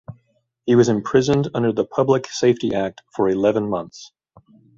He was imprisoned under the Public Safety Act for eleven months.